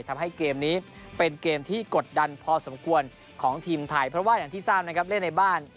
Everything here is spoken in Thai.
ทำให้เกมนี้เป็นเกมที่กดดันพอสมควรของทีมไทยเพราะว่าอย่างที่ทราบนะครับเล่นในบ้าน